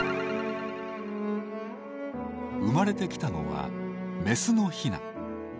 生まれてきたのはメスのヒナ。